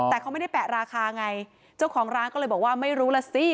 แต่เขาไม่ได้แปะราคาไงเจ้าของร้านก็เลยบอกว่าไม่รู้ล่ะสิ